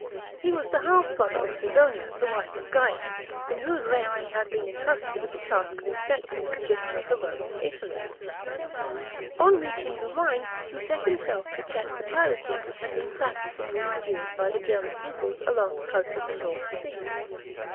He was the half brother of CaBsonia, the wife of Gains, in whose reign he had been entrusted with the task of inspecting the condition of the roads in. Italy. On reaching the Rhine he set himself to check the piracy which had been practised in recent years by the German peoples along the coast of the North Sea.